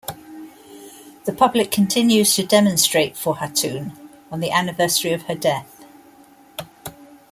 The public continues to demonstrate for Hatun on the anniversary of her death.